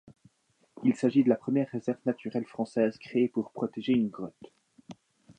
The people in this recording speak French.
Il s'agit de la première réserve naturelle française créée pour protéger une grotte.